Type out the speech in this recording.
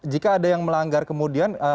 jika ada yang melanggar kemudian